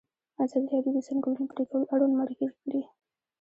ازادي راډیو د د ځنګلونو پرېکول اړوند مرکې کړي.